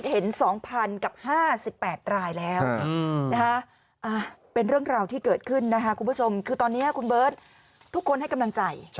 ใช่ครับนะฮะแล้วเมื่อวาน